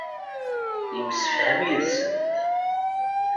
Yemsefham yid-sent.